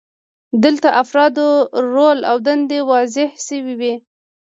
دلته د افرادو رول او دندې واضحې شوې وي.